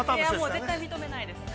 ◆もう絶対認めないです。